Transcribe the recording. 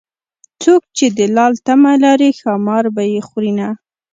څوک چې د لال تمه لري ښامار به يې خورینه